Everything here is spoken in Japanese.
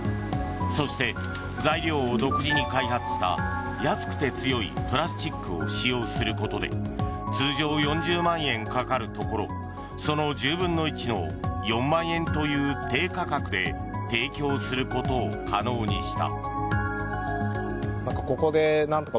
そして、材料を独自に開発した安くて強いプラスチックを使用することで通常４０万円かかるところをその１０分の１の４万円という低価格で提供することを可能にした。